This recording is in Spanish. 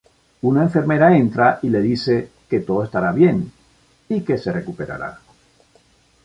Una enfermera entra y le dice que todo estará bien, y que se recuperará.